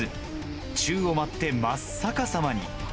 宙を舞って真っ逆さまに。